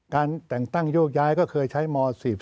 การแต่งตั้งโยกย้ายก็เคยใช้ม๔๔